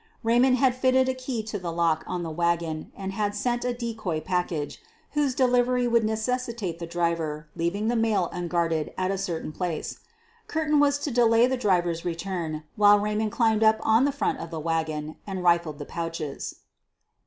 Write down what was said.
Raymond had fitted a key to the lock on the wagoa ind had sent a decoy package, whose delivery would necessitate the driver leaving the mail unguarded, at a certain place. Curtin was to delay the driver 'si return while Raymond climbed up on the front of the wagon and rifled the pouches.